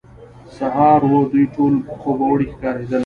سهار وو، دوی ټول خوبوړي ښکارېدل.